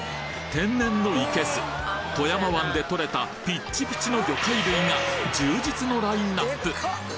天然の生け簀富山湾でとれたピッチピチの魚介類が充実のラインナップ